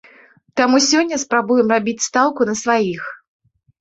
Таму сёння спрабуем рабіць стаўку на сваіх.